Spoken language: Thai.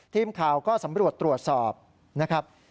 ทีมข่าวก็สำรวจตรวจสอบนะครับ